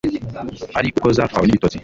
ari uko zatwawe n'ibitotsi